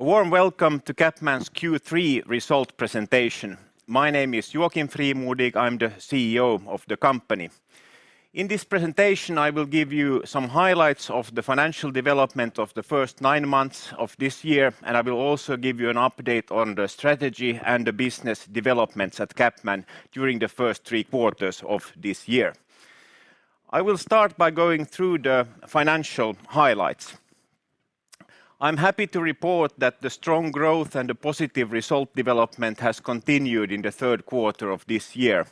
A warm welcome to CapMan's Q3 result presentation. My name is Joakim Frimodig. I'm the CEO of the company. In this presentation, I will give you some highlights of the financial development of the first nine months of this year, and I will also give you an update on the strategy and the business developments at CapMan during the first three quarters of this year. I will start by going through the financial highlights. I'm happy to report that the strong growth and the positive result development has continued in the third quarter of this year.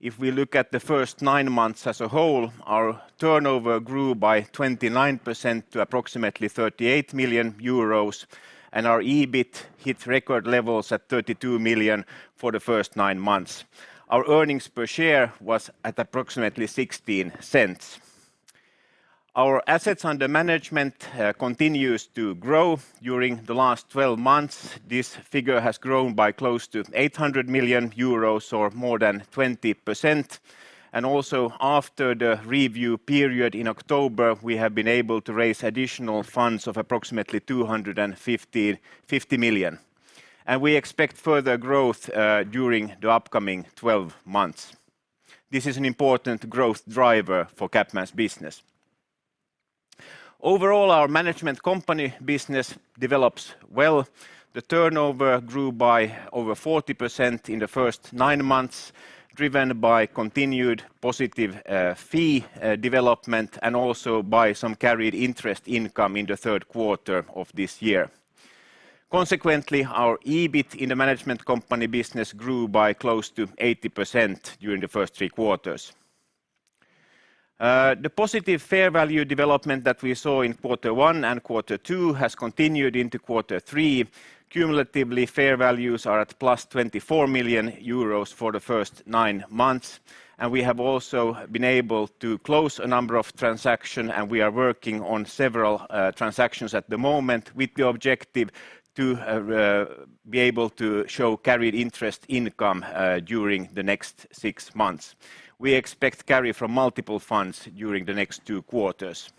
If we look at the first nine months as a whole, our turnover grew by 29% to approximately 38 million euros, and our EBIT hit record levels at 32 million for the first nine months. Our earnings per share was at approximately 0.16. Our assets under management continues to grow. During the last 12 months, this figure has grown by close to 800 million euros or more than 20%. After the review period in October, we have been able to raise additional funds of approximately 250 million, and we expect further growth during the upcoming 12 months. This is an important growth driver for CapMan's business. Overall, our management company business develops well. The turnover grew by over 40% in the first nine months, driven by continued positive fee development and also by some carried interest income in the third quarter of this year. Consequently, our EBIT in the management company business grew by close to 80% during the first 3 quarters. The positive fair value development that we saw in quarter one and quarter two has continued into quarter three. Cumulatively, fair values are at +24 million euros for the first 9 months, and we have also been able to close a number of transactions, and we are working on several transactions at the moment with the objective to be able to show carried interest income during the next 6 months. We expect carry from multiple funds during the next 2 quarters.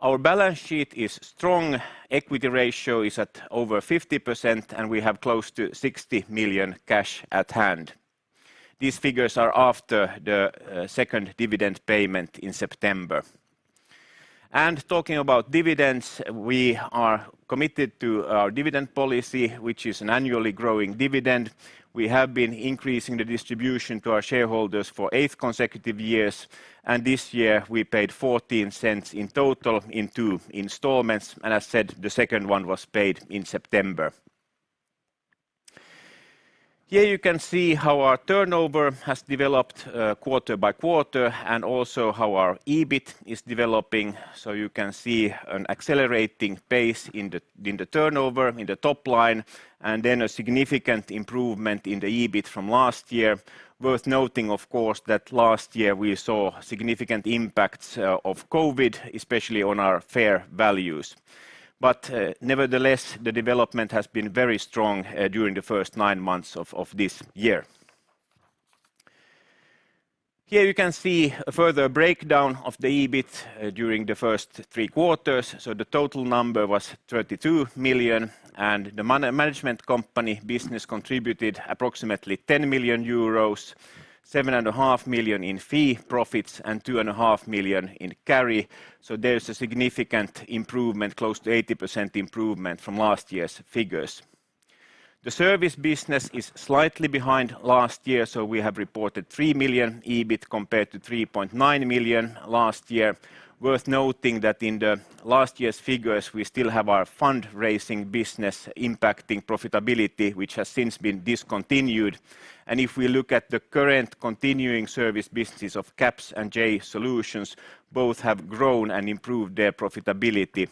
Our balance sheet is strong. Equity ratio is at over 50%, and we have close to 60 million cash at hand. These figures are after the second dividend payment in September. Talking about dividends, we are committed to our dividend policy, which is an annually growing dividend. We have been increasing the distribution to our shareholders for 8th consecutive years, and this year we paid 0.14 in total in two installments, and I said the second one was paid in September. Here you can see how our turnover has developed, quarter by quarter and also how our EBIT is developing, so you can see an accelerating pace in the turnover, in the top line, and then a significant improvement in the EBIT from last year. Worth noting, of course, that last year we saw significant impacts of COVID, especially on our fair values. Nevertheless, the development has been very strong during the first nine months of this year. Here you can see a further breakdown of the EBIT during the first three quarters. The total number was 32 million, and the management company business contributed approximately 10 million euros, 7.5 million in fee profits, and 2.5 million in carry. There's a significant improvement, close to 80% improvement from last year's figures. The service business is slightly behind last year, so we have reported 3 million EBIT compared to 3.9 million last year. Worth noting that in the last year's figures, we still have our fundraising business impacting profitability, which has since been discontinued. If we look at the current continuing service businesses of CaPS and JAY Solutions, both have grown and improved their profitability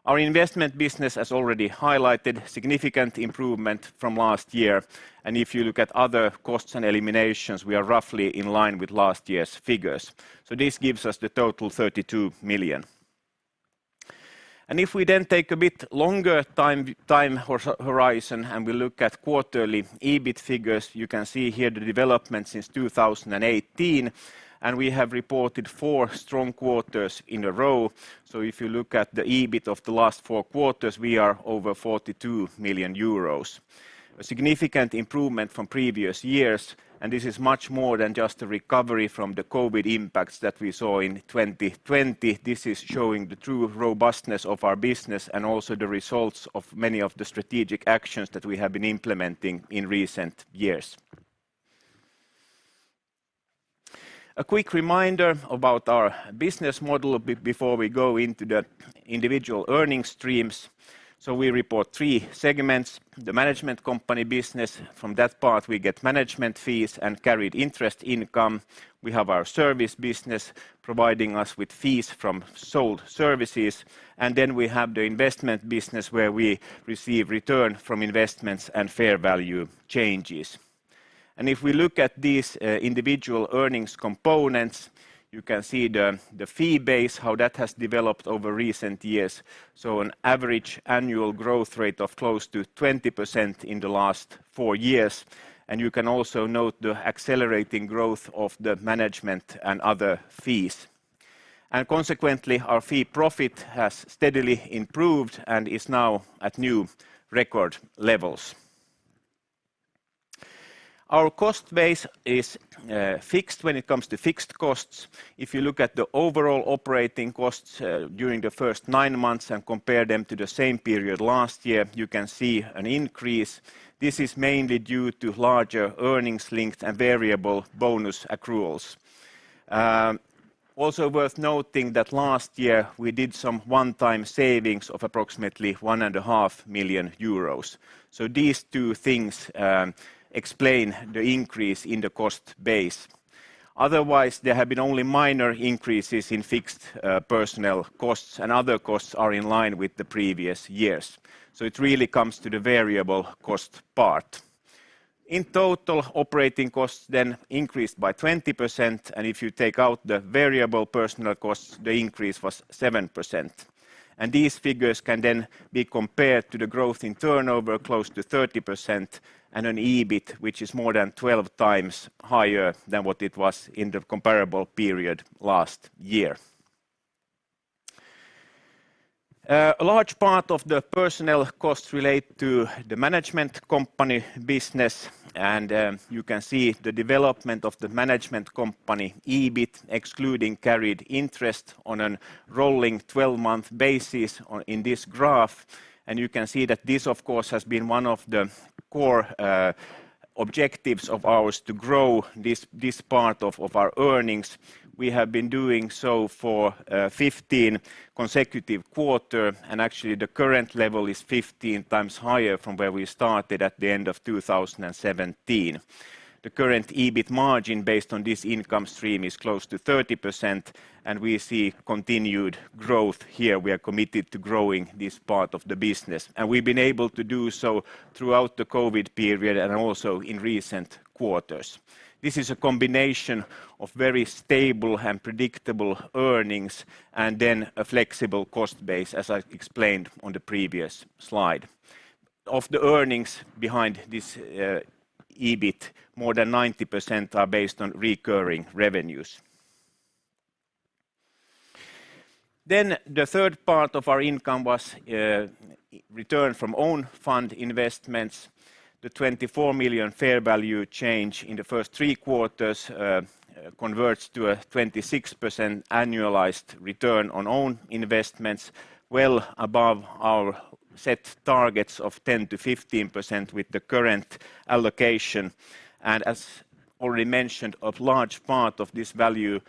during this year. Our investment business has already highlighted significant improvement from last year, and if you look at other costs and eliminations, we are roughly in line with last year's figures. This gives us the total 32 million. If we then take a bit longer time horizon, and we look at quarterly EBIT figures, you can see here the development since 2018, and we have reported 4 strong quarters in a row. If you look at the EBIT of the last 4 quarters, we are over 42 million euros. A significant improvement from previous years, and this is much more than just a recovery from the COVID impacts that we saw in 2020. This is showing the true robustness of our business and also the results of many of the strategic actions that we have been implementing in recent years. A quick reminder about our business model before we go into the individual earnings streams. We report three segments, the management company business. From that part, we get management fees and carried interest income. We have our service business providing us with fees from sold services. We have the investment business where we receive return from investments and fair value changes. If we look at these individual earnings components, you can see the fee base, how that has developed over recent years. An average annual growth rate of close to 20% in the last four years, and you can also note the accelerating growth of the management and other fees. Consequently, our fee profit has steadily improved and is now at new record levels. Our cost base is fixed when it comes to fixed costs. If you look at the overall operating costs during the first nine months and compare them to the same period last year, you can see an increase. This is mainly due to larger earnings-linked and variable bonus accruals. Also worth noting that last year we did some one-time savings of approximately 1.5 million euros. These two things explain the increase in the cost base. Otherwise, there have been only minor increases in fixed personnel costs, and other costs are in line with the previous years. It really comes to the variable cost part. In total, operating costs then increased by 20%, and if you take out the variable personnel costs, the increase was 7%. These figures can then be compared to the growth in turnover close to 30% and an EBIT which is more than 12 times higher than what it was in the comparable period last year. A large part of the personnel costs relate to the management company business, and you can see the development of the management company EBIT excluding carried interest on a rolling twelve-month basis in this graph. You can see that this, of course, has been one of the core objectives of ours to grow this part of our earnings. We have been doing so for 15 consecutive quarters, and actually the current level is 15 times higher from where we started at the end of 2017. The current EBIT margin based on this income stream is close to 30%, and we see continued growth here. We are committed to growing this part of the business, and we've been able to do so throughout the COVID period and also in recent quarters. This is a combination of very stable and predictable earnings and then a flexible cost base, as I explained on the previous slide. Of the earnings behind this, EBIT, more than 90% are based on recurring revenues. The third part of our income was return from own fund investments. The 24 million fair value change in the first three quarters converts to a 26% annualized return on own investments, well above our set targets of 10%-15% with the current allocation. As already mentioned, a large part of this value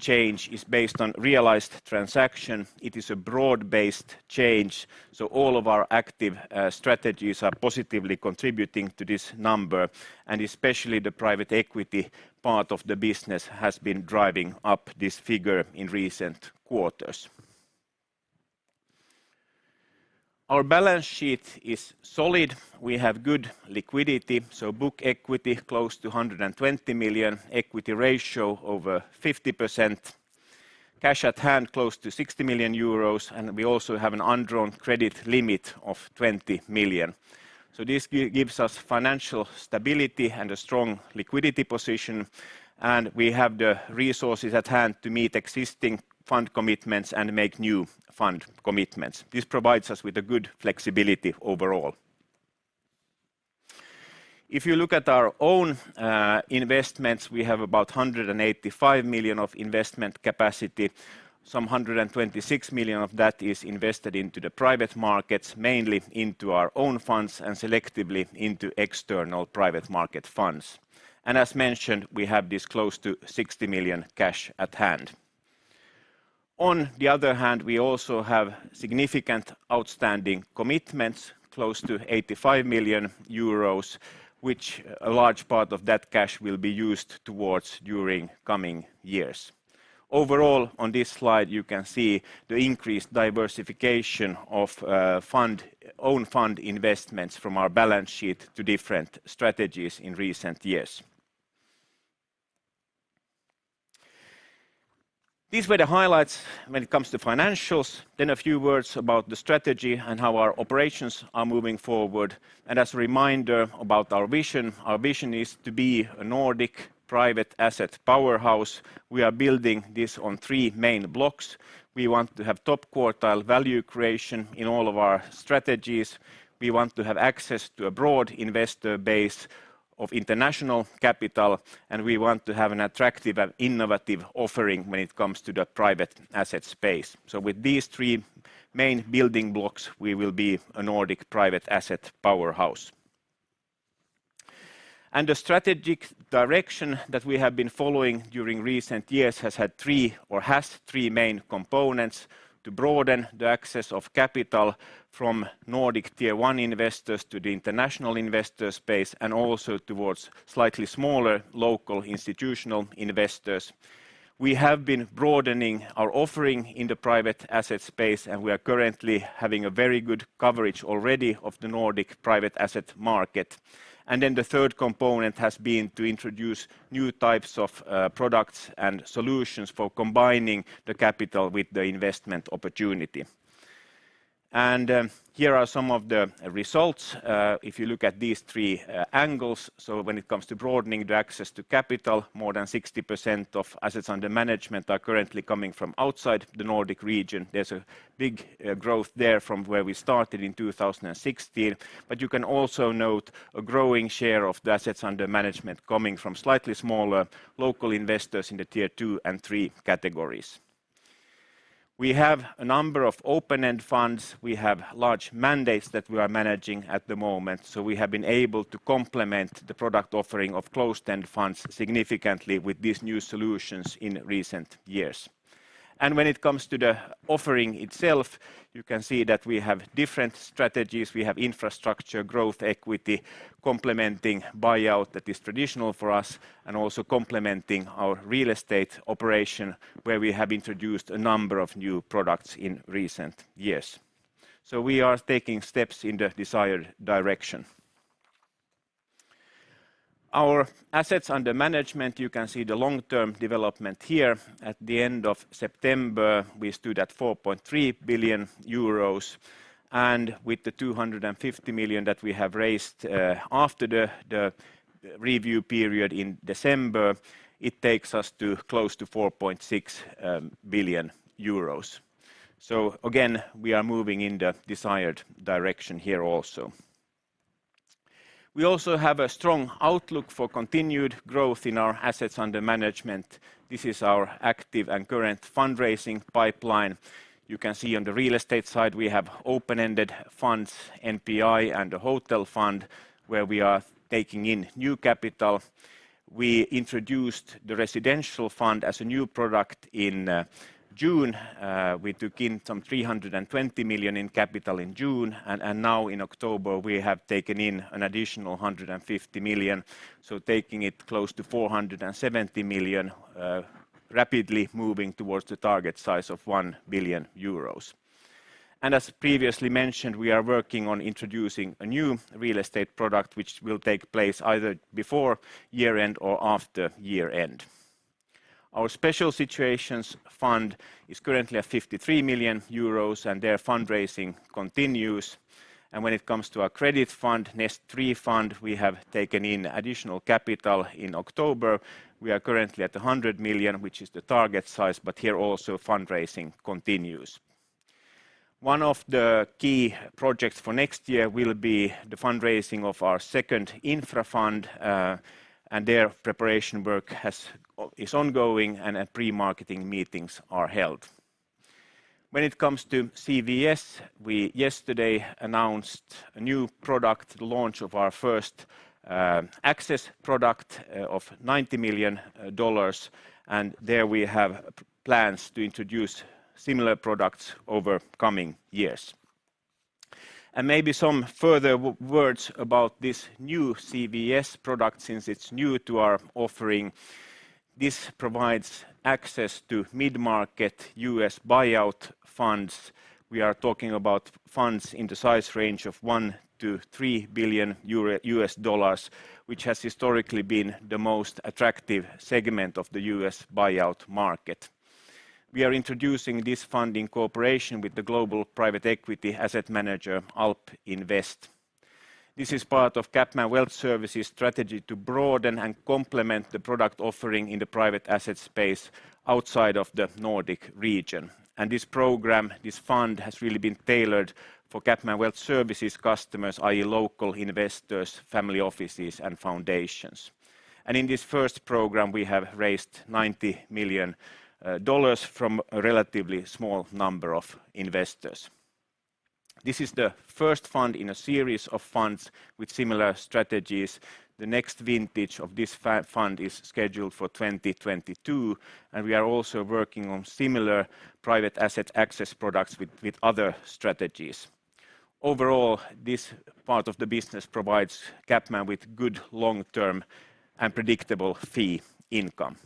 change is based on realized transaction. It is a broad-based change, so all of our active strategies are positively contributing to this number, and especially the private equity part of the business has been driving up this figure in recent quarters. Our balance sheet is solid. We have good liquidity, so book equity close to 120 million, equity ratio over 50%, cash at hand close to 60 million euros, and we also have an undrawn credit limit of 20 million. This gives us financial stability and a strong liquidity position, and we have the resources at hand to meet existing fund commitments and make new fund commitments. This provides us with a good flexibility overall. If you look at our own investments, we have about 185 million of investment capacity. Some 126 million of that is invested into the private markets, mainly into our own funds and selectively into external private market funds. As mentioned, we have this close to 60 million cash at hand. On the other hand, we also have significant outstanding commitments, close to 85 million euros, which a large part of that cash will be used towards during coming years. Overall, on this slide, you can see the increased diversification of own fund investments from our balance sheet to different strategies in recent years. These were the highlights when it comes to financials, then a few words about the strategy and how our operations are moving forward. As a reminder about our vision, our vision is to be a Nordic private asset powerhouse. We are building this on three main blocks. We want to have top quartile value creation in all of our strategies. We want to have access to a broad investor base of international capital, and we want to have an attractive and innovative offering when it comes to the private asset space. With these three main building blocks, we will be a Nordic private asset powerhouse. The strategic direction that we have been following during recent years has three main components to broaden the access of capital from Nordic tier one investors to the international investor space and also towards slightly smaller local institutional investors. We have been broadening our offering in the private asset space, and we are currently having a very good coverage already of the Nordic private asset market. The third component has been to introduce new types of products and solutions for combining the capital with the investment opportunity. Here are some of the results. If you look at these three angles. When it comes to broadening the access to capital, more than 60% of assets under management are currently coming from outside the Nordic region. There's a big growth there from where we started in 2016. You can also note a growing share of the assets under management coming from slightly smaller local investors in the tier 2 and 3 categories. We have a number of open-end funds. We have large mandates that we are managing at the moment. We have been able to complement the product offering of closed-end funds significantly with these new solutions in recent years. When it comes to the offering itself, you can see that we have different strategies. We have infrastructure growth, equity complementing buyout that is traditional for us and also complementing our real estate operation, where we have introduced a number of new products in recent years. We are taking steps in the desired direction. Our Assets Under Management, you can see the long-term development here. At the end of September, we stood at 4.3 billion euros and with the 250 million that we have raised after the review period in December, it takes us to close to 4.6 billion euros. We are moving in the desired direction here also. We also have a strong outlook for continued growth in our Assets Under Management. This is our active and current fundraising pipeline. You can see on the real estate side, we have open-ended funds, NPI and the hotel fund, where we are taking in new capital. We introduced the residential fund as a new product in June. We took in some 320 million in capital in June, and now in October, we have taken in an additional 150 million, so taking it close to 470 million, rapidly moving towards the target size of 1 billion euros. As previously mentioned, we are working on introducing a new real estate product which will take place either before year-end or after year-end. Our special situations fund is currently at 53 million euros, and their fundraising continues. When it comes to our credit fund, Nest Capital Fund III, we have taken in additional capital in October. We are currently at 100 million, which is the target size, but here also fundraising continues. One of the key projects for next year will be the fundraising of our second infra fund, and their preparation work is ongoing and pre-marketing meetings are held. When it comes to CWS, we yesterday announced a new product launch of our first access product of $90 million, and there we have plans to introduce similar products over coming years. Maybe some further words about this new CWS product since it's new to our offering. This provides access to mid-market U.S. buyout funds. We are talking about funds in the size range of $1 billion-$3 billion, which has historically been the most attractive segment of the U.S. buyout market. We are introducing this fund in cooperation with the global private equity asset manager AlpInvest. This is part of CapMan Wealth Services' strategy to broaden and complement the product offering in the private asset space outside of the Nordic region. This program, this fund, has really been tailored for CapMan Wealth Services customers, i.e. local investors, family offices, and foundations. In this first program, we have raised $90 million from a relatively small number of investors. This is the first fund in a series of funds with similar strategies. The next vintage of this fund is scheduled for 2022, and we are also working on similar private asset access products with other strategies. Overall, this part of the business provides CapMan with good long-term and predictable fee income.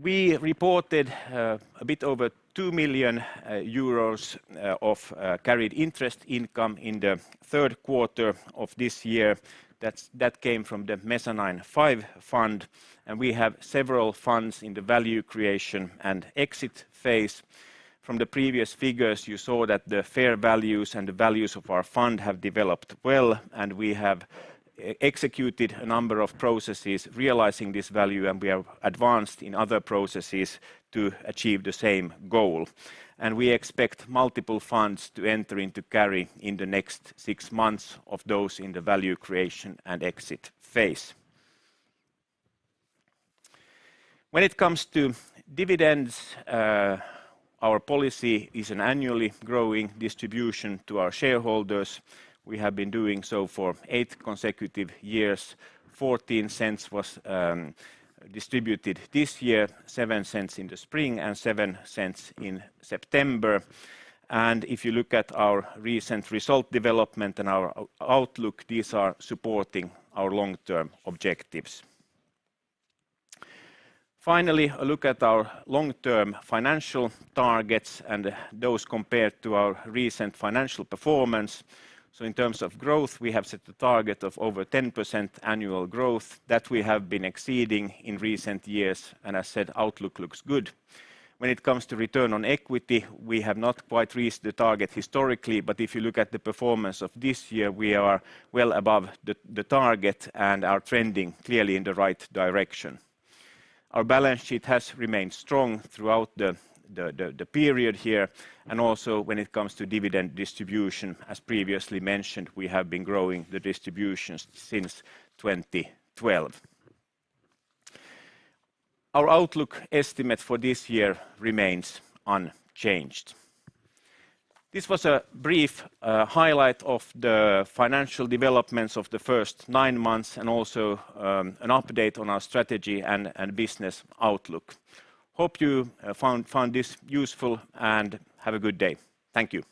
We reported a bit over 2 million euros of carried interest income in the third quarter of this year. That came from the CapMan Mezzanine V, and we have several funds in the value creation and exit phase. From the previous figures, you saw that the fair values and the values of our fund have developed well, and we have executed a number of processes realizing this value, and we have advanced in other processes to achieve the same goal. We expect multiple funds to enter into carry in the next six months of those in the value creation and exit phase. When it comes to dividends, our policy is an annually growing distribution to our shareholders. We have been doing so for eight consecutive years. 0.14 was distributed this year, 0.07 in the spring and 0.07 in September. If you look at our recent result development and our outlook, these are supporting our long-term objectives. Finally, a look at our long-term financial targets and those compared to our recent financial performance. In terms of growth, we have set a target of over 10% annual growth that we have been exceeding in recent years, and as said, outlook looks good. When it comes to return on equity, we have not quite reached the target historically, but if you look at the performance of this year, we are well above the target and are trending clearly in the right direction. Our balance sheet has remained strong throughout the period here and also when it comes to dividend distribution. As previously mentioned, we have been growing the distributions since 2012. Our outlook estimate for this year remains unchanged. This was a brief highlight of the financial developments of the first nine months and also an update on our strategy and business outlook. I hope you found this useful, and have a good day. Thank you.